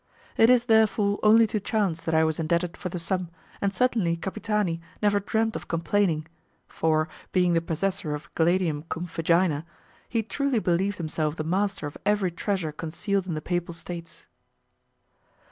It is, therefore, only to chance that I was indebted for the sum, and certainly Capitani never dreamed of complaining, for being the possessor of 'gladium cum vagina' he truly believed himself the master of every treasure concealed in the Papal States.